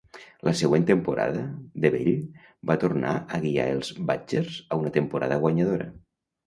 La següent temporada, Bevell va tornar a guiar els Badgers a una temporada guanyadora.